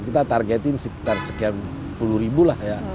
kita target in sekitar sekian puluh ribu lah ya